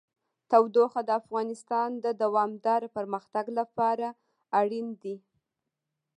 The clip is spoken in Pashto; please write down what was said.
تودوخه د افغانستان د دوامداره پرمختګ لپاره اړین دي.